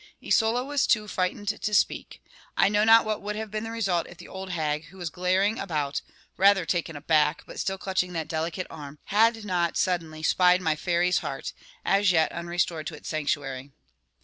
Isola was too frightened to speak. I know not what would have been the result, if the old hag, who was glaring about, rather taken aback, but still clutching that delicate arm, had not suddenly spied my fairy's heart, as yet unrestored to its sanctuary.